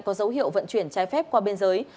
có dấu hiệu vận chuyển trái phép qua biên giới